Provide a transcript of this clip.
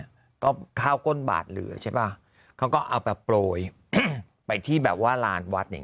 เนี่ยก็ข้าวก้นบาดเหลือใช่ป่ะเขาก็เอาไปโปรยไปที่แบบว่าลานวัดอย่าง